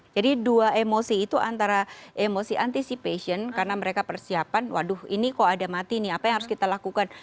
jadi dua emosi itu antara emosi anticipation karena mereka persiapan waduh ini kok ada mati nih apa yang harus kita lakukan